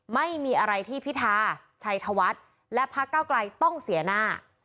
ไม่มีอะไรที่พิทาชัยทวัดและพระเก้ากลายต้องเสียหน้า